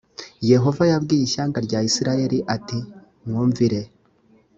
yehova yabwiye ishyanga rya isirayeli ati mwumvire